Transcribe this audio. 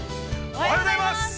◆おはようございます。